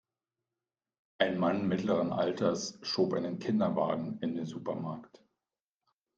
Ein Mann mittleren Alters schob einen Kinderwagen in den Supermarkt.